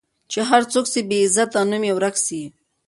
چي هر څوک سي بې عزته نوم یې ورک سي